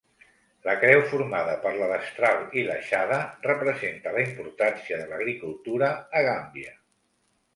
La creu formada per la destral i l'aixada representa la importància de l'agricultura a Gàmbia.